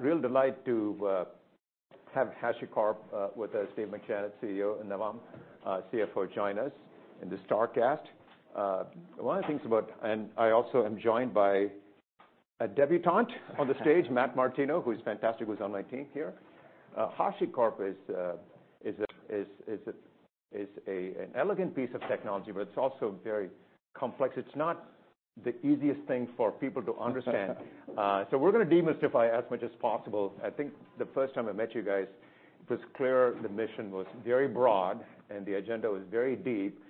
A real delight to have HashiCorp with us, Dave McJannet, CEO, and Navam Welihinda, CFO, join us in the star cast. I also am joined by a debutant on the stage, Matt Martino, who is fantastic, who is on my team here. HashiCorp is an elegant piece of technology, but it's also very complex. It's not the easiest thing for people to understand. So we're gonna demystify as much as possible. I think the first time I met you guys, it was clear the mission was very broad, and the agenda was very deep,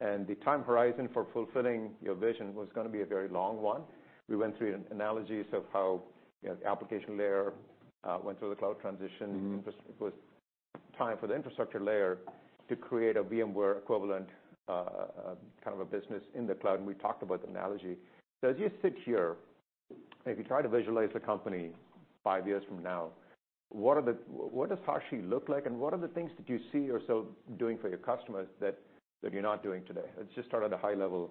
and the time horizon for fulfilling your vision was gonna be a very long one. We went through analogies of how, you know, the application layer went through the cloud transition It was time for the infrastructure layer to create a VMware equivalent, kind of a business in the cloud, and we talked about the analogy. So as you sit here, if you try to visualize the company five years from now, what are the what does Hashi look like, and what are the things that you see yourself doing for your customers that you're not doing today? Let's just start at a high level.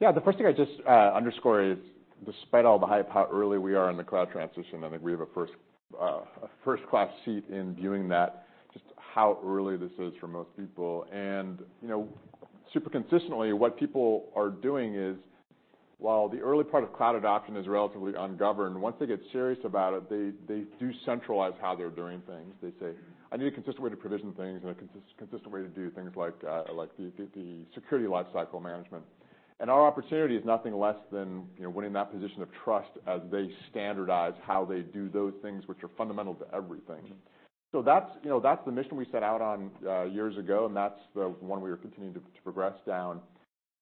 Yeah, the first thing I'd just underscore is, despite all the hype, how early we are in the cloud transition. I think we have a first-class seat in viewing that, just how early this is for most people. And, you know, super consistently, what people are doing is, while the early part of cloud adoption is relatively ungoverned, once they get serious about it, they do centralize how they're doing things. They say, "I need a consistent way to provision things and a consistent way to do things like the security lifecycle management." And our opportunity is nothing less than, you know, winning that position of trust as they standardize how they do those things which are fundamental to everything. So that's, you know, that's the mission we set out on years ago, and that's the one we are continuing to progress down.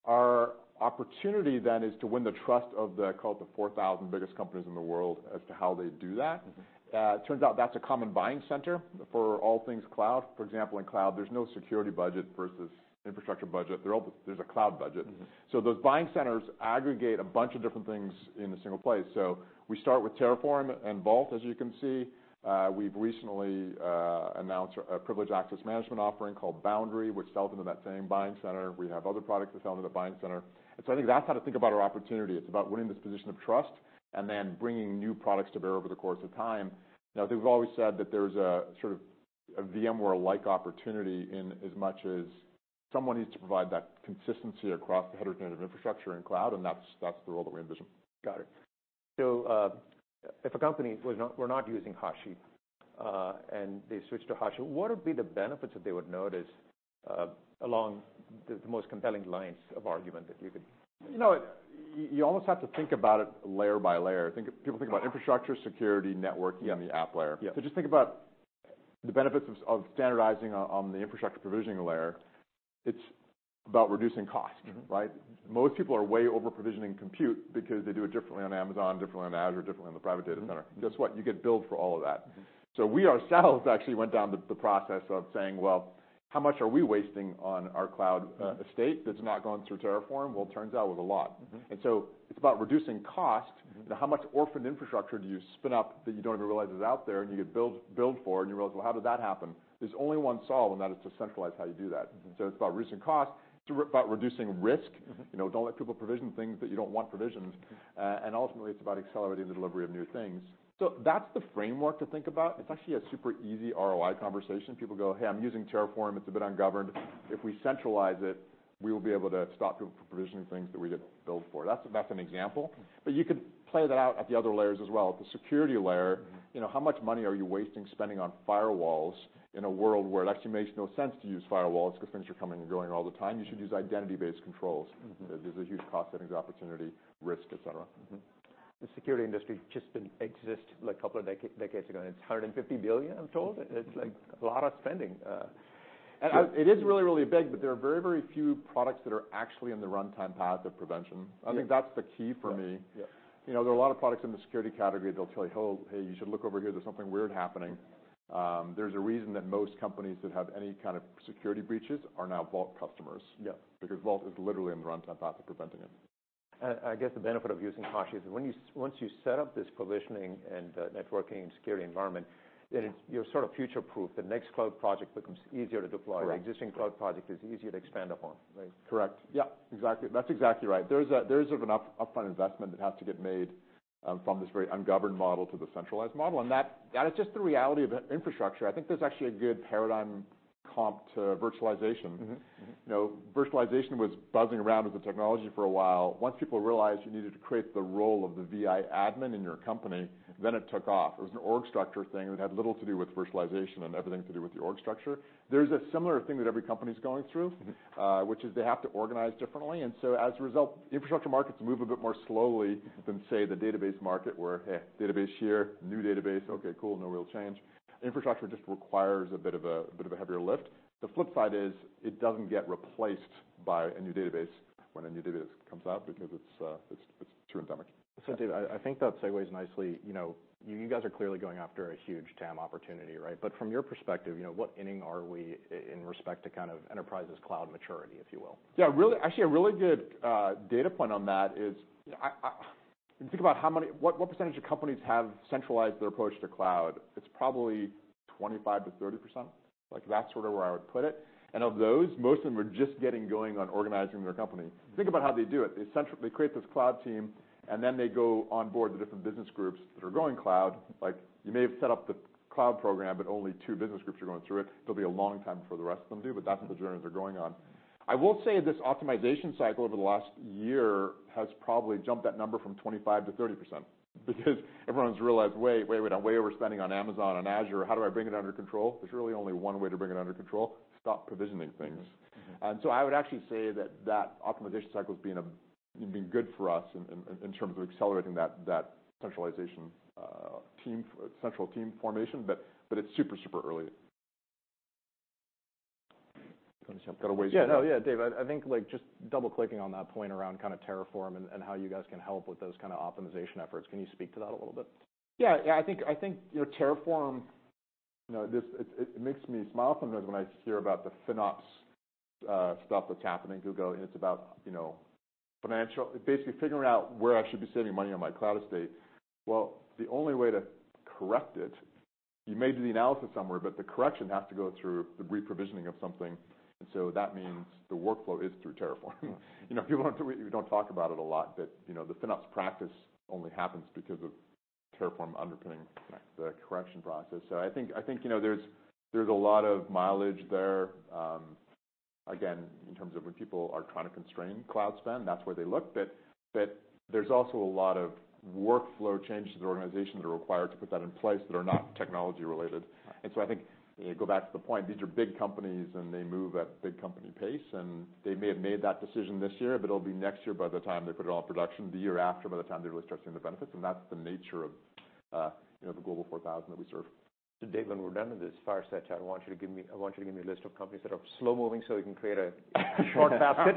Our opportunity then is to win the trust of the, call it, the 4,000 biggest companies in the world as to how they do that. It turns out that's a common buying center for all things cloud. For example, in cloud, there's no security budget versus infrastructure budget. There's a cloud budget. So those buying centers aggregate a bunch of different things in a single place. So we start with Terraform and Vault, as you can see. We've recently announced a privileged access management offering called Boundary, which sells into that same buying center. We have other products that sell into the buying center. And so I think that's how to think about our opportunity. It's about winning this position of trust, and then bringing new products to bear over the course of time. Now, I think we've always said that there's a sort of a VMware-like opportunity in as much as someone needs to provide that consistency across the heterogeneous infrastructure and cloud, and that's, that's the role that we envision. Got it. So, if a company were not using Hashi, and they switched to Hashi, what would be the benefits that they would notice, along the most compelling lines of argument that you could? You know, you almost have to think about it layer by layer. People think about infrastructure, security, networking and the app layer. Just think about the benefits of, of standardizing on, on the infrastructure provisioning layer. It's about reducing cost. Right? Most people are way over-provisioning compute because they do it differently on Amazon, differently on Azure, differently on the private data center. Guess what? You get billed for all of that. So we ourselves actually went down the process of saying, "Well, how much are we wasting on our cloud estate, that's not going through Terraform?" Well, it turns out it was a lot. And so it's about reducing cost. Now, how much orphaned infrastructure do you spin up that you don't even realize is out there, and you get billed, billed for, and you realize, "Well, how did that happen?" There's only one solve, and that is to centralize how you do that. So it's about reducing cost. It's about reducing risk. You know, don't let people provision things that you don't want provisioned. And ultimately, it's about accelerating the delivery of new things. So that's the framework to think about. It's actually a super easy ROI conversation. People go, "Hey, I'm using Terraform. It's a bit ungoverned. If we centralize it, we will be able to stop people from provisioning things that we get billed for." That's an example. But you could play that out at the other layers as well. At the security layer, you know, how much money are you wasting spending on firewalls in a world where it actually makes no sense to use firewalls because things are coming and going all the time? You should use identity-based controls. There's a huge cost savings opportunity, risk, et cetera. The security industry just didn't exist, like, a couple of decades ago, and it's $150 billion, I'm told? it's, like, a lot of spending... It is really, really big, but there are very, very few products that are actually in the runtime path of prevention. I think that's the key for me. You know, there are a lot of products in the security category that'll tell you, "Hold, hey, you should look over here. There's something weird happening." There's a reason that most companies that have any kind of security breaches are now Vault customers because Vault is literally in the runtime path of preventing it. I guess the benefit of using Hashi is, when you once you set up this provisioning and, networking security environment you're sort of future proof. The next cloud project becomes easier to deploy. Correct. Your existing cloud project is easier to expand upon, right? Correct. Yeah, exactly. That's exactly right. There is sort of an upfront investment that has to get made from this very ungoverned model to the centralized model, and that is just the reality of infrastructure. I think there's actually a good paradigm comp to virtualization. You know, virtualization was buzzing around as a technology for a while. Once people realized you needed to create the role of the VI Admin in your company, then it took off. It was an org structure thing that had little to do with virtualization and everything to do with your org structure. There's a similar thing that every company's going through which is they have to organize differently. And so as a result, infrastructure markets move a bit more slowly than, say, the database market, where, "Hey, database here. New database. Okay, cool, no real change." Infrastructure just requires a bit of a heavier lift. The flip side is, it doesn't get replaced by a new database when a new database comes out because it's too endemic. Dave, I think that segues nicely. You know, you guys are clearly going after a huge TAM opportunity, right? But from your perspective, you know, what inning are we in respect to kind of enterprise's cloud maturity, if you will? Yeah, really. Actually, a really good data point on that is, if you think about what percentage of companies have centralized their approach to cloud, it's probably 25%-30%, like that's sort of where I would put it. And of those, most of them are just getting going on organizing their company. Think about how they do it. They create this cloud team, and then they go onboard the different business groups that are going cloud. Like, you may have set up the cloud program, but only two business groups are going through it. It'll be a long time before the rest of them do, but that's the journeys they're going on. I will say, this optimization cycle over the last year has probably jumped that number from 25% to 30%. Because everyone's realized, "Wait, wait, wait, I'm way overspending on Amazon, on Azure. How do I bring it under control?" There's really only one way to bring it under control: stop provisioning things. And so I would actually say that optimization cycle has been good for us in terms of accelerating that centralization team central team formation, but it's super early. Gonna jump- Yeah, no, yeah, Dave, I think, like, just double-clicking on that point around kind of Terraform and how you guys can help with those kind of optimization efforts. Can you speak to that a little bit? Yeah. Yeah, I think, you know, Terraform, you know, this, it makes me smile sometimes when I hear about the FinOps stuff that's happening in Google, and it's about, you know, financial, basically figuring out where I should be saving money on my cloud estate. Well, the only way to correct it, you may do the analysis somewhere, but the correction has to go through the reprovisioning of something, and so that means the workflow is through Terraform. You know, people, we don't talk about it a lot, but, you know, the FinOps practice only happens because of Terraform underpinning- Correct the correction process. So I think, you know, there's a lot of mileage there, again, in terms of when people are trying to constrain cloud spend. That's where they look. But there's also a lot of workflow changes to the organization that are required to put that in place, that are not technology-related. Right. And so I think, you go back to the point, these are big companies, and they move at big company pace, and they may have made that decision this year, but it'll be next year by the time they put it all in production, the year after by the time they're really starting to see the benefits, and that's the nature of, you know, the Global 4000 that we serve. Dave, when we're done with this Fireside Chat, I want you to give me a list of companies that are slow-moving, so we can create a short basket,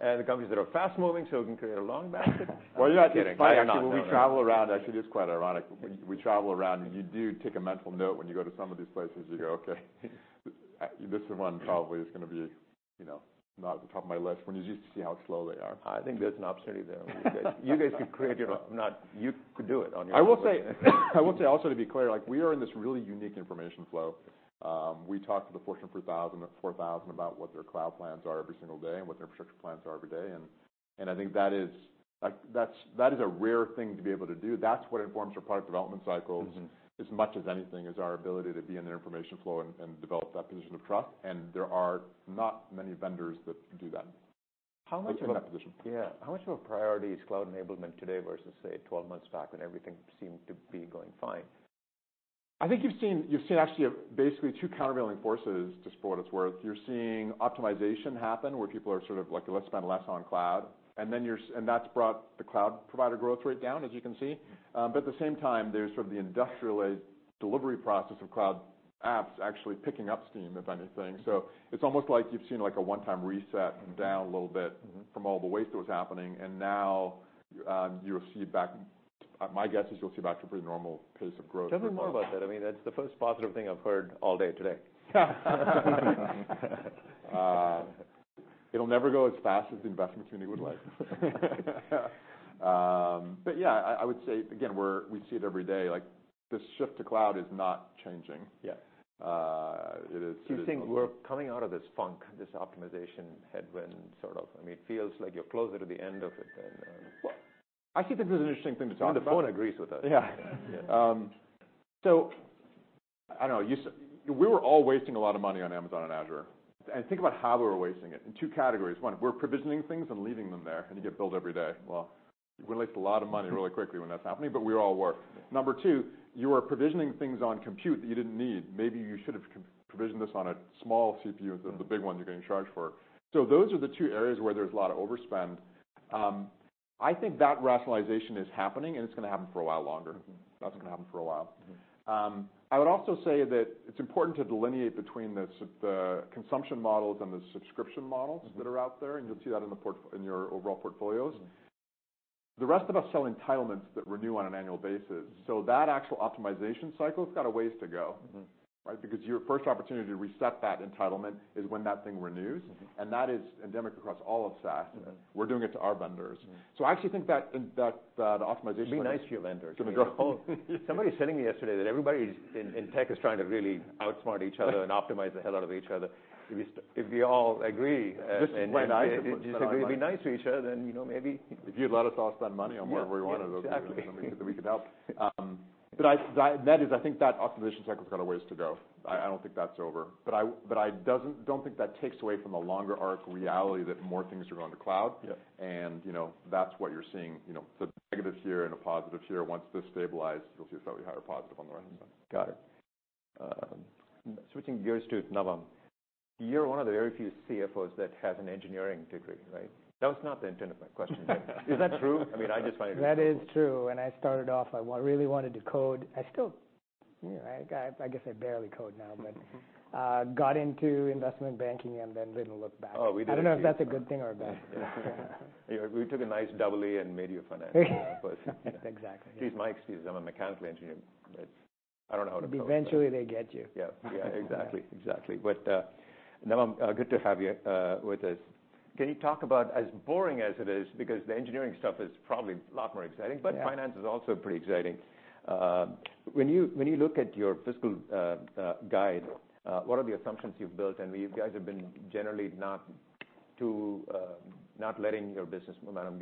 and the companies that are fast-moving, so we can create a long basket. Well, you're not kidding. I'm not, no, no. We travel around, actually, it's quite ironic. We, we travel around, and you do take a mental note when you go to some of these places, and you go: Okay, this is one probably is gonna be, you know, not at the top of my list, when you just see how slow they are. I think there's an opportunity there - you guys could create your... You could do it on your - I will say, I will say also, to be clear, like, we are in this really unique information flow. We talk to the Fortune 3,000 or 4,000 about what their cloud plans are every single day and what their infrastructure plans are every day, and, and I think that is, like, that's, that is a rare thing to be able to do. That's what informs our product development cycles as much as anything, is our ability to be in their information flow and develop that position of trust, and there are not many vendors that do that. In that position. Yeah. How much of a priority is cloud enablement today versus, say, 12 months back, when everything seemed to be going fine? I think you've seen, you've seen actually, basically two countervailing forces, just for what it's worth. You're seeing optimization happen, where people are sort of like, "Let's spend less on cloud." And then you're, and that's brought the cloud provider growth rate down, as you can see. But at the same time, there's sort of the industrial delivery process of cloud apps actually picking up steam, if anything. So it's almost like you've seen, like, a one-time reset and down a little bit. From all the waste that was happening, and now, my guess is you'll see back to a pretty normal pace of growth. Tell me more about that. I mean, that's the first positive thing I've heard all day today. It'll never go as fast as the investment community would like. But yeah, I would say again, we see it every day, like, this shift to cloud is not changing. It is. Do you think we're coming out of this funk, this optimization headwind, sort of? I mean, it feels like you're closer to the end of it than, Well, I think this is an interesting thing to talk about. I mean, the phone agrees with us. Yeah. So I don't know, we were all wasting a lot of money on Amazon and Azure, and think about how we were wasting it. In two categories: One, we're provisioning things and leaving them there, and you get billed every day. Well, you waste a lot of money really quickly when that's happening, but we all were. Number two, you were provisioning things on compute that you didn't need. Maybe you should have provisioned this on a small CPU than the big one you're getting charged for. Those are the two areas where there's a lot of overspend. I think that rationalization is happening, and it's gonna happen for a while longer. That's gonna happen for a while. I would also say that it's important to delineate between the consumption models and the subscription models. that are out there, and you'll see that in your overall portfolios. The rest of us sell entitlements that renew on an annual basis. So that actual optimization cycle has got a ways to go. Right? Because your first opportunity to reset that entitlement is when that thing renews and that is endemic across all of SaaS. We're doing it to our vendors. So I actually think that the optimization- Be nice to your vendors. It's gonna grow. Somebody was saying to me yesterday that everybody in tech is trying to really outsmart each other and optimize the hell out of each other. If we all agree, and- This is when I- agree to be nice to each other, then, you know, maybe- If you'd let us all spend money on wherever we wanted- Yeah, exactly then we could help. But that is, I think that optimization cycle has got a ways to go. I don't think that's over. But I don't think that takes away from the longer arc reality, that more things are going to cloud. Yeah. You know, that's what you're seeing. You know, so negatives here and a positives here. Once this stabilizes, you'll see a slightly higher positive on the right-hand side. Got it. Switching gears to Navam. You're one of the very few CFOs that has an engineering degree, right? That was not the intent of my question. Is that true? I mean, I just find it- That is true, and I started off. I really wanted to code. I still... Yeah, I guess I barely code now, but got into investment banking and then didn't look back. Oh, we did- I don't know if that's a good thing or a bad thing. Yeah. We took a nice W and made you a financial person. Exactly. She's my excuse. I'm a mechanical engineer, but I don't know how to code. Eventually, they get you. Yeah. Yeah, exactly, exactly. But, Navam, good to have you with us.... Can you talk about, as boring as it is, because the engineering stuff is probably a lot more exciting- Yeah. But finance is also pretty exciting. When you look at your fiscal guide, what are the assumptions you've built? And you guys have been generally not too not letting your business momentum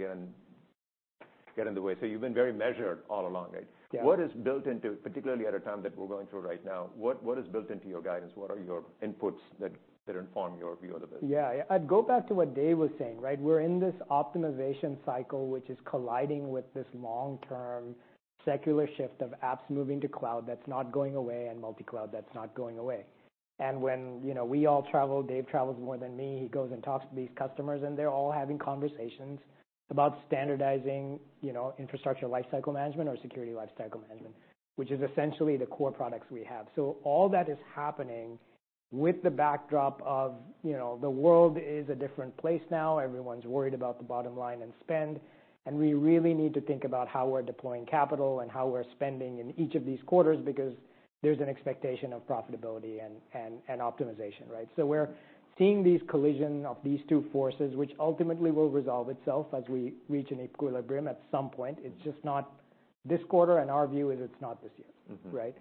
get in the way, so you've been very measured all along, right? What is built into, particularly at a time that we're going through right now, what is built into your guidance? What are your inputs that inform your view of the business? Yeah, I'd go back to what Dave was saying, right? We're in this optimization cycle, which is colliding with this long-term secular shift of apps moving to cloud that's not going away, and multi-cloud that's not going away. And when, you know, we all travel, Dave travels more than me, he goes and talks to these customers, and they're all having conversations about standardizing, you know, infrastructure lifecycle management or security lifecycle management, which is essentially the core products we have. So all that is happening with the backdrop of, you know, the world is a different place now. Everyone's worried about the bottom line and spend, and we really need to think about how we're deploying capital and how we're spending in each of these quarters, because there's an expectation of profitability and, and, and optimization, right? We're seeing the collision of these two forces, which ultimately will resolve itself as we reach an equilibrium at some point. It's just not this quarter, and our view is it's not this year. Right?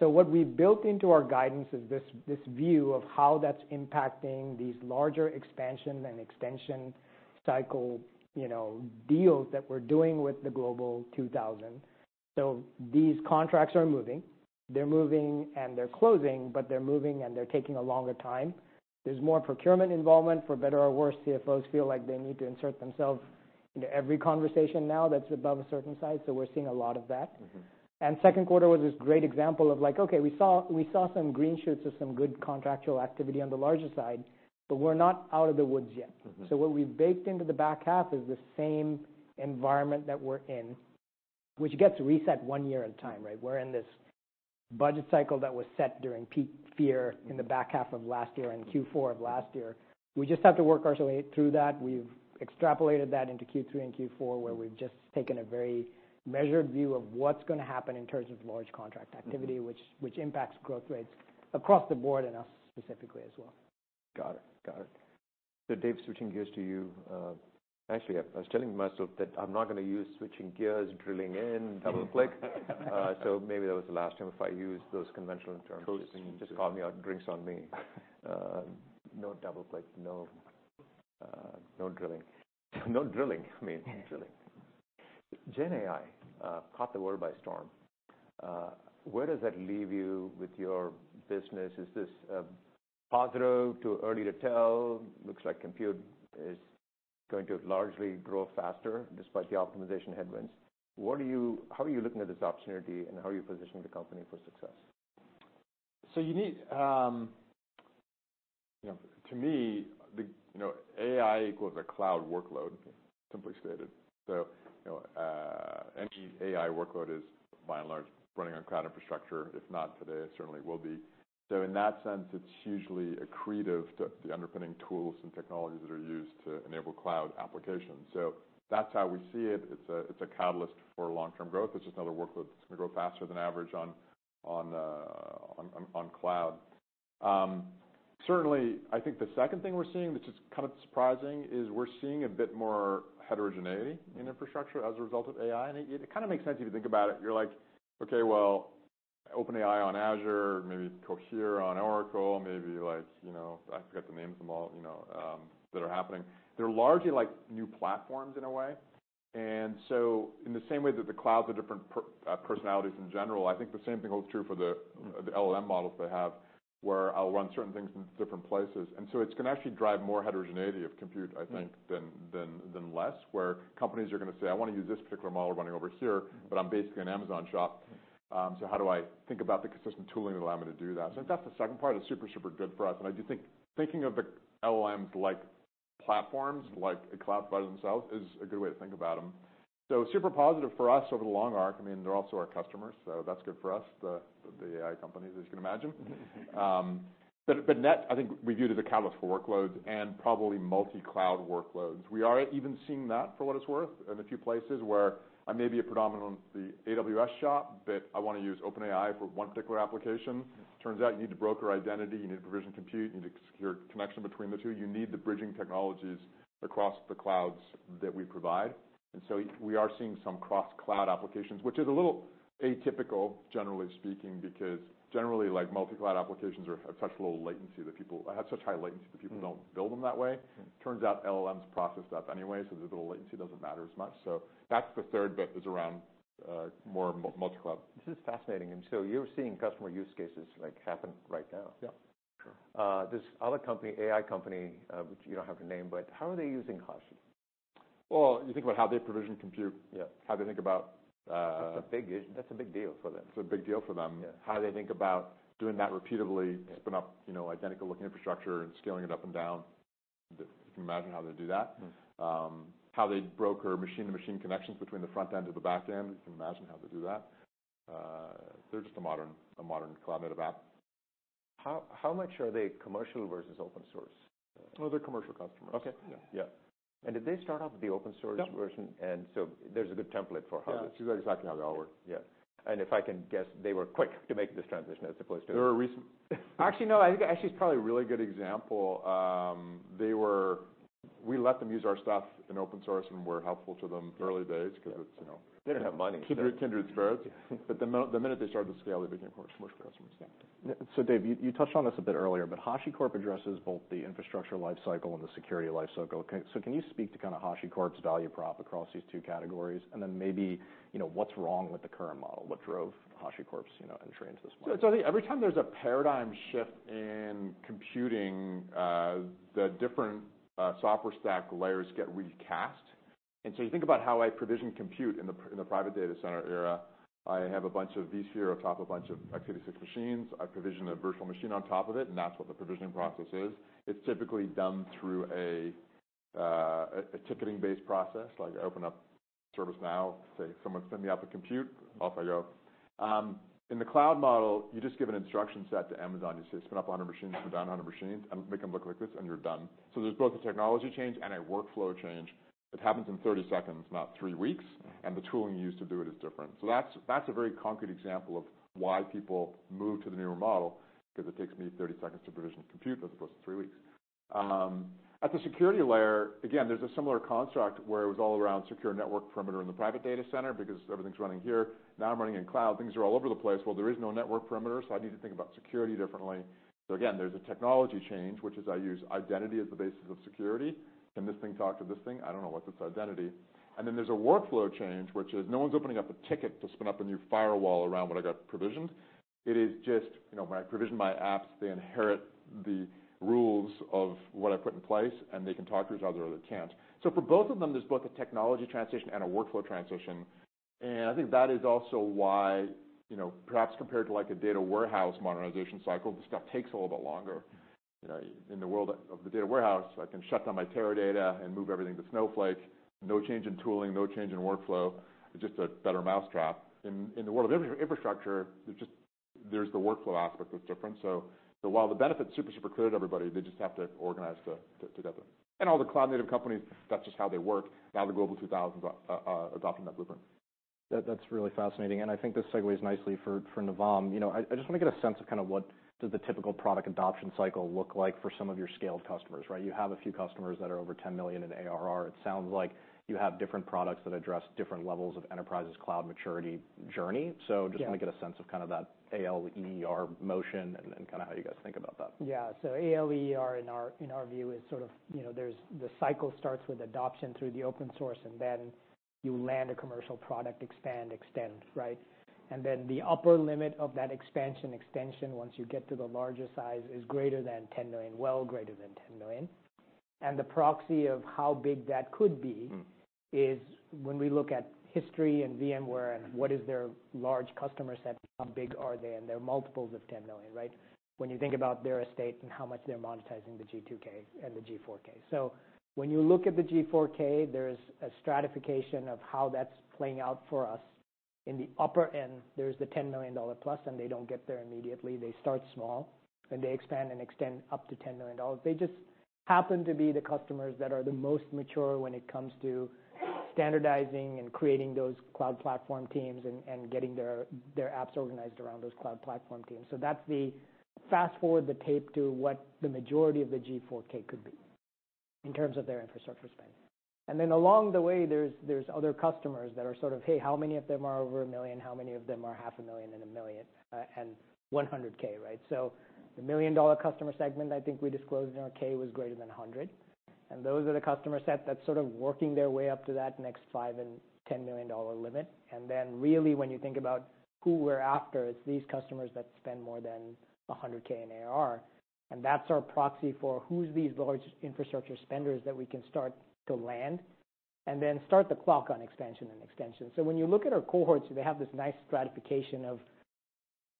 So what we've built into our guidance is this, this view of how that's impacting these larger expansion and extension cycle, you know, deals that we're doing with the Global 2,000. So these contracts are moving. They're moving and they're closing, but they're moving and they're taking a longer time. There's more procurement involvement. For better or worse, CFOs feel like they need to insert themselves into every conversation now, that's above a certain size, so we're seeing a lot of that. Second Quarter was this great example of, like, okay, we saw, we saw some green shoots of some good contractual activity on the larger side, but we're not out of the woods yet. So what we've baked into the back half is the same environment that we're in, which gets reset one year at a time, right? We're in this budget cycle that was set during peak fear in the back half of last year, in Q4 of last year. We just have to work our way through that. We've extrapolated that into Q3 and Q4, where we've just taken a very measured view of what's gonna happen in terms of large contract activity which impacts growth rates across the board and us specifically as well. Got it. Got it. So, Dave, switching gears to you. Actually, I was telling myself that I'm not gonna use "switching gears," "drilling in," "double click." So maybe that was the last time if I use those conventional terms. Just call me out, drinks on me. No double click, no, no drilling. No drilling, I mean, drilling. Gen AI caught the world by storm. Where does that leave you with your business? Is this positive? Too early to tell? Looks like Compute is going to largely grow faster despite the optimization headwinds. What are you. How are you looking at this opportunity, and how are you positioning the company for success? So you need, You know, to me, the, you know, AI equals a cloud workload, simply stated. So, you know, any AI workload is, by and large, running on cloud infrastructure. If not today, it certainly will be. So in that sense, it's hugely accretive to the underpinning tools and technologies that are used to enable cloud applications. So that's how we see it. It's a, it's a catalyst for long-term growth. It's just another workload that's gonna grow faster than average on, on, on, on cloud. Certainly, I think the second thing we're seeing, which is kind of surprising, is we're seeing a bit more heterogeneity in infrastructure as a result of AI. And it, it kind of makes sense if you think about it. You're like, okay, well, OpenAI on Azure, maybe Cohere on Oracle, maybe like, you know, I forget the names of them all, you know, that are happening. They're largely like new platforms in a way. And so in the same way that the clouds are different per personalities in general, I think the same thing holds true for the LLM models they have, where I'll run certain things in different places. And so it's gonna actually drive more heterogeneity of compute, I think, than less, where companies are gonna say, "I want to use this particular model running over here, but I'm basically an Amazon shop. So how do I think about the consistent tooling that allow me to do that?" So I think that's the second part. It's super, super good for us, and I do think thinking of the LLMs like platforms, like a cloud by themselves, is a good way to think about them. So super positive for us over the long arc. I mean, they're also our customers, so that's good for us, the AI companies, as you can imagine. But net, I think we view it as a catalyst for workloads and probably multi-cloud workloads. We are even seeing that, for what it's worth, in a few places where I may be a predominantly AWS shop, but I wanna use OpenAI for one particular application. Turns out you need to broker identity, you need to provision compute, you need a secure connection between the two. You need the bridging technologies across the clouds that we provide. So we are seeing some cross-cloud applications, which is a little atypical, generally speaking, because generally, like multi-cloud applications, have such high latency that people don't build them that way. Turns out LLMs process that anyway, so the little latency doesn't matter as much. So that's the third bit, is around more multi-cloud. This is fascinating. And so you're seeing customer use cases like happen right now? Yeah. Sure. This other company, AI company, which you don't have to name, but how are they using Hashi? Well, you think about how they provision compute how they think about- That's a big issue. That's a big deal for them. It's a big deal for them. How they think about doing that repeatedly spin up, you know, identical looking infrastructure and scaling it up and down. You can imagine how they do that. how they broker machine-to-machine connections between the front end to the back end. You can imagine how they do that. They're just a modern cloud-native app. How, how much are they commercial versus open source? Oh, they're commercial customers. Okay. Yeah. Yeah. Did they start off with the open source version? Yep. And so there's a good template for how this- Yeah, that's exactly how they all work. Yeah. If I can guess, they were quick to make this transition as opposed to- Actually, no, I think, actually, it's probably a really good example. We let them use our stuff in open source, and we're helpful to them in the early days 'cause it's, you know- They didn't have money. kindred, kindred spirits. But the minute they started to scale, they became commercial customers. So Dave, you touched on this a bit earlier, but HashiCorp addresses both the infrastructure life cycle and the security life cycle. So can you speak to kind of HashiCorp's value prop across these two categories, and then maybe, you know, what's wrong with the current model? What drove HashiCorp's, you know, entry into this market? So I think every time there's a paradigm shift in computing, the different software stack layers get recast. And so you think about how I provision compute in the private data center era. I have a bunch of vSphere on top of a bunch of x86 machines. I provision a virtual machine on top of it, and that's what the provisioning process is. It's typically done through a ticketing-based process. Like, I open up ServiceNow, say, "Someone send me out to compute," off I go. In the cloud model, you just give an instruction set to Amazon. You say, "Spin up 100 machines, spin down 100 machines, and make them look like this," and you're done. So there's both a technology change and a workflow change. It happens in 30 seconds, not 3 weeks, and the tooling you use to do it is different. So that's a very concrete example of why people move to the newer model, 'cause it takes me 30 seconds to provision compute, as opposed to 3 weeks. At the security layer, again, there's a similar construct where it was all around secure network perimeter in the private data center because everything's running here. Now, I'm running in cloud, things are all over the place. Well, there is no network perimeter, so I need to think about security differently. So again, there's a technology change, which is I use identity as the basis of security. Can this thing talk to this thing? I don't know what's its identity. And then there's a workflow change, which is no one's opening up a ticket to spin up a new firewall around what I got provisioned. It is just, you know, when I provision my apps, they inherit the rules of what I put in place, and they can talk to each other or they can't. So for both of them, there's both a technology transition and a workflow transition. And I think that is also why, you know, perhaps compared to, like, a data warehouse modernization cycle, this stuff takes a little bit longer. You know, in the world of the data warehouse, I can shut down my Teradata and move everything to Snowflake. No change in tooling, no change in workflow, it's just a better mousetrap. In the world of infrastructure, there's just the workflow aspect that's different. While the benefit's super, super clear to everybody, they just have to organize together. All the cloud native companies, that's just how they work. Now, the Global 2000 are adopting that blueprint. That, that's really fascinating, and I think this segues nicely for, for Navam. You know, I, I just want to get a sense of kind of what does the typical product adoption cycle look like for some of your scaled customers, right? You have a few customers that are over $10 million in ARR. It sounds like you have different products that address different levels of enterprises, cloud maturity journey. So, just want to get a sense of kind of that ALE or motion and kind of how you guys think about that. Yeah. So ARR, in our view, is sort of... You know, there's— the cycle starts with adoption through the open source, and then you land a commercial product, expand, extend, right? And then the upper limit of that expansion, extension, once you get to the larger size, is greater than $10 million, well greater than $10 million. And the proxy of how big that could be. This is when we look at history and VMware and what is their large customer set, how big are they? They're multiples of $10 million, right? When you think about their estate and how much they're monetizing the G2K and the G4K. So when you look at the G4K, there's a stratification of how that's playing out for us. In the upper end, there's the $10 million plus, and they don't get there immediately. They start small, and they expand and extend up to $10 million. They just happen to be the customers that are the most mature when it comes to standardizing and creating those cloud platform teams and getting their apps organized around those cloud platform teams. So that's the fast forward the tape to what the majority of the G4K could be in terms of their infrastructure spend. And then along the way, there's other customers that are sort of, "Hey, how many of them are over $1 million? How many of them are $500,000 and $1 million, and $100K," right? So the $1 million-dollar customer segment, I think we disclosed in our 10-K, was greater than 100, and those are the customer set that's sort of working their way up to that next $5 million and $10 million dollar limit. And then really, when you think about who we're after, it's these customers that spend more than $100K in ARR, and that's our proxy for who's these large infrastructure spenders that we can start to land, and then start the clock on expansion and extension. So when you look at our cohorts, they have this nice stratification of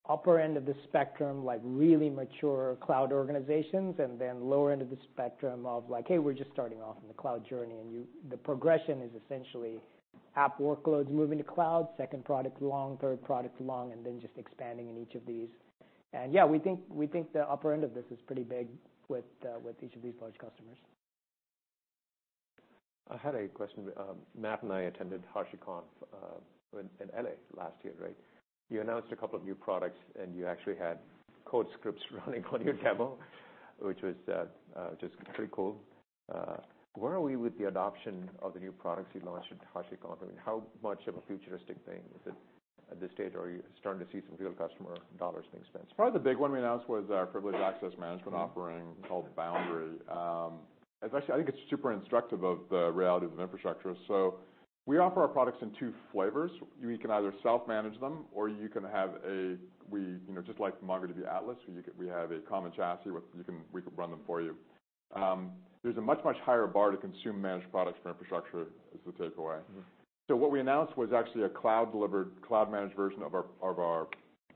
upper end of the spectrum, like really mature cloud organizations, and then lower end of the spectrum of, like, "Hey, we're just starting off in the cloud journey." And you, the progression is essentially app workloads moving to cloud, second product along, third product along, and then just expanding in each of these. And yeah, we think, we think the upper end of this is pretty big with, with each of these large customers. I had a question. Matt and I attended HashiConf in L.A. last year, right? You announced a couple of new products, and you actually had code scripts running on your demo, which was just pretty cool. Where are we with the adoption of the new products you launched at HashiConf? I mean, how much of a futuristic thing is it at this stage, or are you starting to see some real customer dollars being spent? Probably, the big one we announced was our Privileged Access Management offering called Boundary. It's actually, I think it's super instructive of the reality of infrastructure. So we offer our products in two flavors. You can either self-manage them, or you can have a-- we... You know, just like MongoDB Atlas, we, we have a common chassis, with- you can- we can run them for you. There's a much, much higher bar to consume managed products from infrastructure, is the takeaway. So what we announced was actually a cloud-delivered, cloud-managed version of our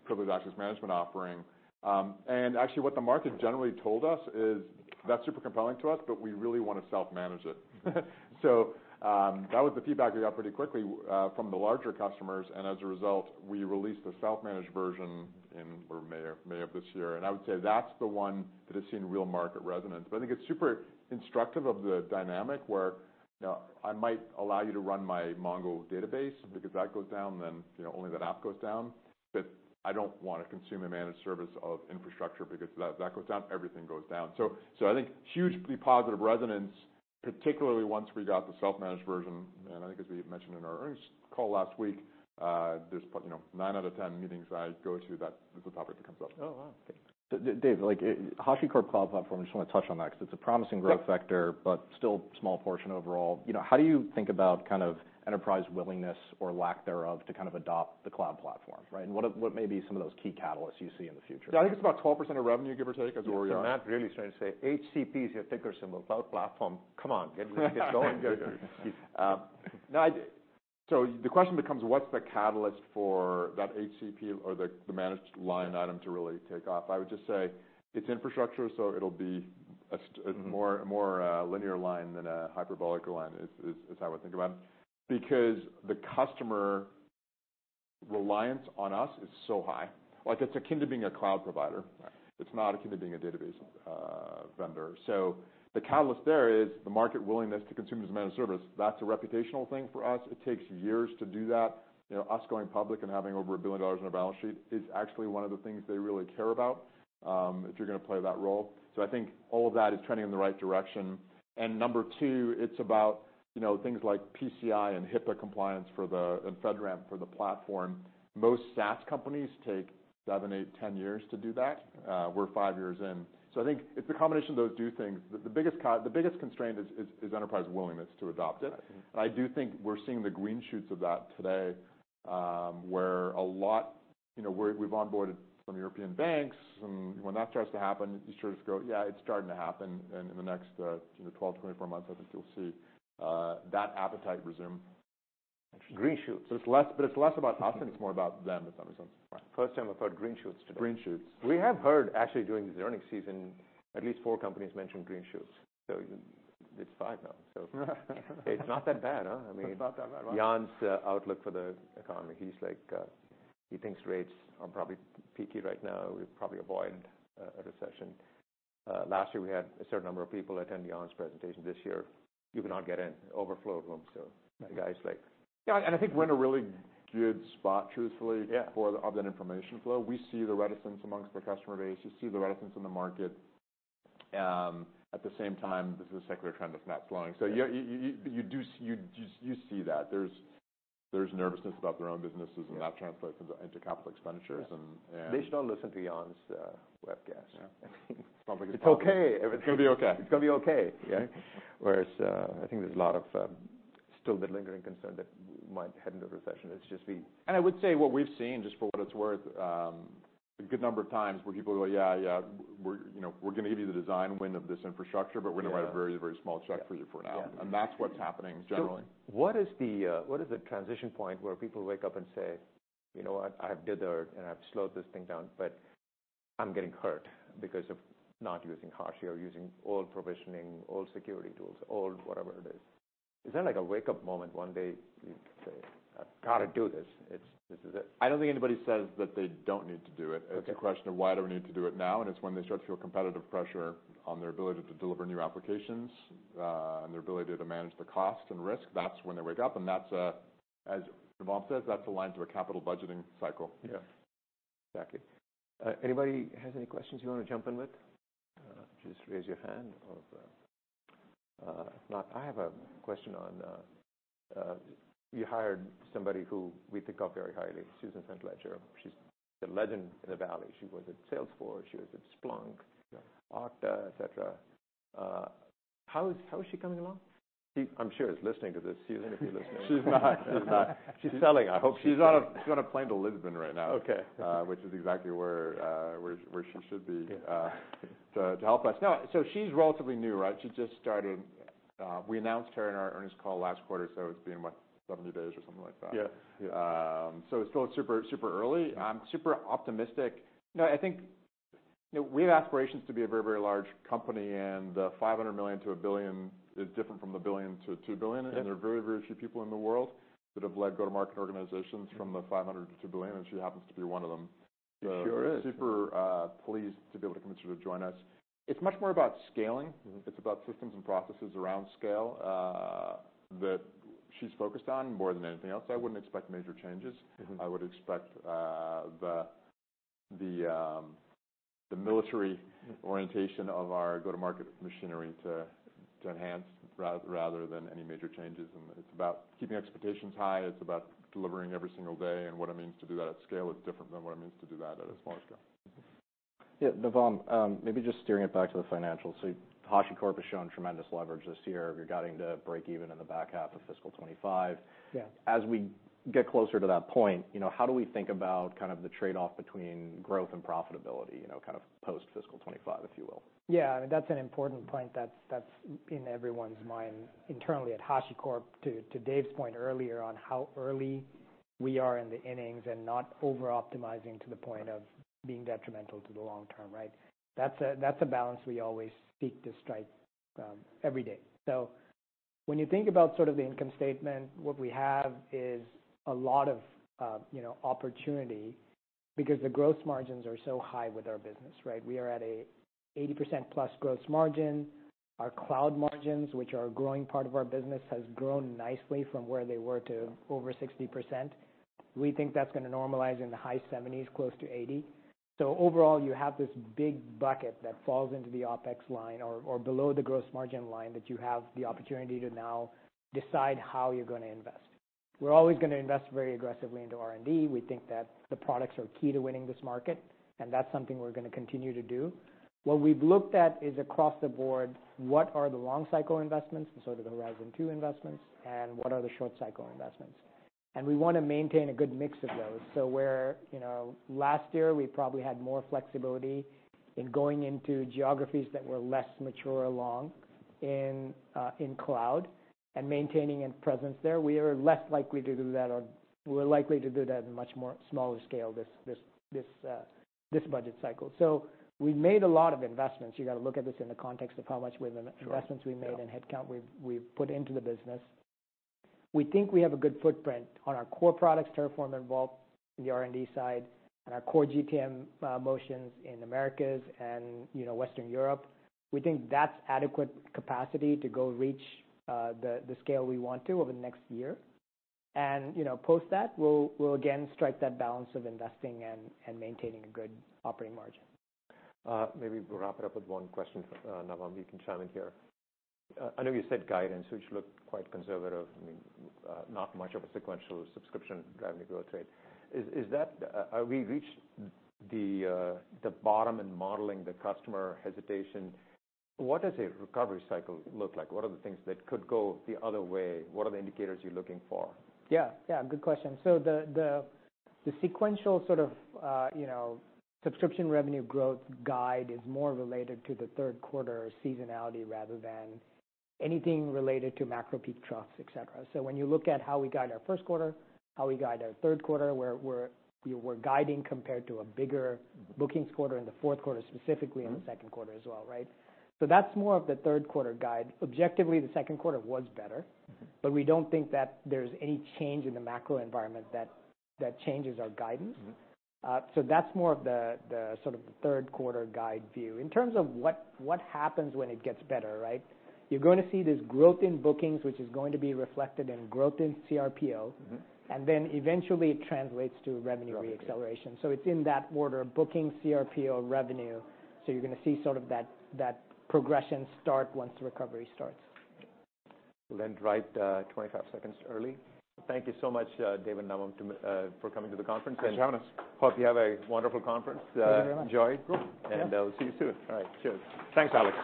privileged access management offering. And actually what the market generally told us is, "That's super compelling to us, but we really want to self-manage it." So that was the feedback we got pretty quickly from the larger customers, and as a result, we released the self-managed version in May of this year. And I would say that's the one that has seen real market resonance. But I think it's super instructive of the dynamic where, you know, I might allow you to run my Mongo database, because if that goes down, then you know only that app goes down. But I don't want to consume a managed service of infrastructure, because if that goes down, everything goes down. So, so I think hugely positive resonance, particularly once we got the self-managed version. And I think, as we mentioned in our earnings call last week, there's probably, you know, nine out of ten meetings I go to, that is a topic that comes up. Oh, wow! Dave, like, HashiCorp Cloud Platform, I just wanna touch on that, 'cause it's a promising growth factor. But still small portion overall. You know, how do you think about kind of enterprise willingness or lack thereof to kind of adopt the cloud platform, right? And what are, what may be some of those key catalysts you see in the future? Yeah, I think it's about 12% of revenue, give or take, as we- Yeah. Matt's really trying to say HCP is a ticker symbol, cloud platform. Come on, get, get going. No, so the question becomes: What's the catalyst for that HCP or the, the managed line item to really take off? I would just say it's infrastructure, so it'll be a more linear line than a hyperbolic line, is how I would think about it. Because the customer reliance on us is so high, like, it's akin to being a cloud provider. Right. It's not akin to being a database vendor. So the catalyst there is the market willingness to consume as a managed service. That's a reputational thing for us. It takes years to do that. You know, us going public and having over $1 billion in our balance sheet is actually one of the things they really care about if you're gonna play that role. So I think all of that is trending in the right direction. And number two, it's about, you know, things like PCI and HIPAA compliance for the, and FedRAMP for the platform. Most SaaS companies take seven, eight, 10 years to do that. We're 5 years in. So I think it's a combination of those two things. The biggest constraint is enterprise willingness to adopt it. I do think we're seeing the green shoots of that today, where a lot... You know, we've onboarded some European banks, and when that starts to happen, you sort of go, "Yeah, it's starting to happen." And in the next, you know, 12-24 months, I think you'll see that appetite resume. Green shoots. It's less, but it's less about us, and it's more about them, is how it sounds. Right. First time I've heard green shoots today. Green shoots. We have heard, actually, during the earnings season, at least four companies mention green shoots, so it's five now. It's not that bad, huh? I mean- It's not that bad. Jan's outlook for the economy, he's like, he thinks rates are probably peaky right now. We've probably avoided a recession. Last year we had a certain number of people attend Jan's presentation. This year, you cannot get in. Overflow of rooms, so that guy's like- Yeah, and I think we're in a really good spot, truthfully. For, of that information flow. We see the reticence among the customer base. We see the reticence in the market. At the same time, this is a secular trend of not slowing. So yeah, you do see, you see that. There's nervousness about their own businesses and that translates into capital expenditures, and yeah. They should all listen to Jan's webcast. Yeah. I mean, it's okay if it's- It's gonna be okay. It's gonna be okay, yeah. Whereas, I think there's a lot of still the lingering concern that we might head into a recession. It's just the- I would say what we've seen, just for what it's worth, a good number of times where people go, "Yeah, yeah, we're, you know, we're gonna give you the design win of this infrastructure, but we're gonna write a very, very small check for you for now. Yeah. That's what's happening generally. So what is the, what is the transition point where people wake up and say, "You know what? I've dithered, and I've slowed this thing down, but I'm getting hurt because of not using Hashi or using old provisioning, old security tools, old whatever it is." Is there like a wake-up moment one day you say, "I've gotta do this? It's, this is it"? I don't think anybody says that they don't need to do it. Okay. It's a question of: Why do we need to do it now? And it's when they start to feel competitive pressure on their ability to deliver new applications, and their ability to manage the cost and risk. That's when they wake up, and that's, as Navam says, that's aligned to a capital budgeting cycle. Yeah, exactly. Anybody has any questions you wanna jump in with? Just raise your hand or, if not, I have a question on, you hired somebody who we think of very highly, Susan St. Ledger. She's a legend in the Valley. She was at Salesforce, she was at Splunk Okta, et cetera. How is, how is she coming along? She, I'm sure, is listening to this. Susan, if you're listening. She's not. She's not. She's selling, I hope she- She's on a plane to Lisbon right now. Okay. Which is exactly where she should be to help us. No, so she's relatively new, right? She just started. We announced her in our earnings call last quarter, so it's been, what, 70 days or something like that. Yeah. Yeah. So it's still super, super early. Yeah. I'm super optimistic. You know, I think, you know, we have aspirations to be a very, very large company, and $500 million-$1 billion is different from $1 billion-$2 billion. Yeah. There are very, very few people in the world that have led go-to-market organizations from $500 million to $2 billion, and she happens to be one of them. She sure is. Super, pleased to be able to convince her to join us. It's much more about scaling. It's about systems and processes around scale, that she's focused on more than anything else. I wouldn't expect major changes. I would expect the military orientation of our go-to-market machinery to enhance rather than any major changes. And it's about keeping expectations high. It's about delivering every single day, and what it means to do that at scale is different than what it means to do that at a smaller scale. Yeah, Navam, maybe just steering it back to the financials. HashiCorp has shown tremendous leverage this year. You're guiding to break even in the back half of fiscal 2025. Yeah. As we get closer to that point, you know, how do we think about kind of the trade-off between growth and profitability, you know, kind of post-fiscal 25, if you will? Yeah, I mean, that's an important point that's in everyone's mind internally at HashiCorp. To Dave's point earlier on how early we are in the innings and not over-optimizing to the point of being detrimental to the long term, right? That's a balance we always seek to strike every day. When you think about sort of the income statement, what we have is a lot of you know opportunity because the gross margins are so high with our business, right? We are at a 80%+ gross margin. Our cloud margins, which are a growing part of our business, has grown nicely from where they were to over 60%. We think that's gonna normalize in the high 70s%, close to 80%. So overall, you have this big bucket that falls into the OpEx line or below the gross margin line, that you have the opportunity to now decide how you're gonna invest. We're always gonna invest very aggressively into R&D. We think that the products are key to winning this market, and that's something we're gonna continue to do. What we've looked at is, across the board, what are the long cycle investments, so the horizon two investments, and what are the short cycle investments? And we wanna maintain a good mix of those. So where, you know, last year, we probably had more flexibility in going into geographies that were less mature in cloud and maintaining a presence there. We are less likely to do that, or we're likely to do that in much more smaller scale this budget cycle. So we've made a lot of investments. You've got to look at this in the context of how much investments we made. Sure. and headcount we've put into the business. We think we have a good footprint on our core products, Terraform and Vault, the R&D side, and our core GTM motions in Americas and, you know, Western Europe. We think that's adequate capacity to go reach the scale we want to over the next year. And, you know, post that, we'll again strike that balance of investing and maintaining a good operating margin. Maybe we'll wrap it up with one question. Navam, you can chime in here. I know you said guidance, which looked quite conservative, I mean, not much of a sequential subscription driving the growth rate. Is that-- have we reached the bottom in modeling the customer hesitation? What does a recovery cycle look like? What are the things that could go the other way? What are the indicators you're looking for? Yeah, yeah, good question. So the sequential sort of, you know, subscription revenue growth guide is more related to the third quarter seasonality rather than anything related to macro peak troughs, et cetera. So when you look at how we guide our first quarter, how we guide our third quarter, where we're guiding compared to a bigger bookings quarter in the fourth quarter, specifically in the second quarter as well, right? So that's more of the third quarter guide. Objectively, the second quarter was better. But we don't think that there's any change in the macro environment that, that changes our guidance. So that's more of the sort of third quarter guide view. In terms of what happens when it gets better, right? You're going to see this growth in bookings, which is going to be reflected in growth in CRPO. Then eventually, it translates to revenue re-acceleration. Okay. It's in that order, bookings, CRPO, revenue. So you're gonna see sort of that progression start once the recovery starts. We'll end right, 25 seconds early. Thank you so much, Dave and Navam, for coming to the conference and- Thanks for having us. Hope you have a wonderful conference. Thank you very much. Uh, enjoy. Cool. And, we'll see you soon. All right, cheers. Thanks, Alex.